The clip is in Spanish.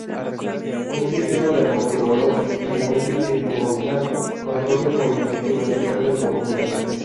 Un sistema de amortiguador y muelle helicoidal controla el movimiento vertical del conjunto.